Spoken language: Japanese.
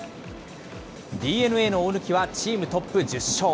ＤｅＮＡの大貫はチームトップ１０勝。